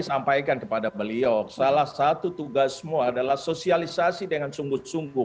sampaikan kepada beliau salah satu tugasmu adalah sosialisasi dengan sungguh sungguh